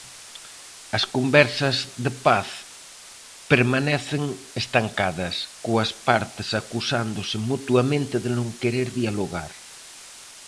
As conversas de paz permanecen estancadas, coas partes acusándose mutuamente de non querer dialogar.